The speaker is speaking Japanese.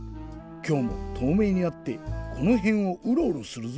きょうもとうめいになってこのへんをうろうろするぞ。